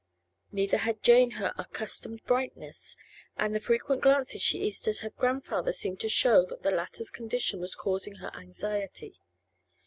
Neither had Jane her accustomed brightness, and the frequent glances she east at her grandfather seemed to show that the latter's condition was causing her anxiety.